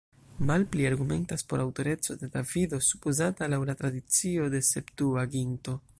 Malpli argumentas por aŭtoreco de Davido, supozata laŭ la tradicio de Septuaginto.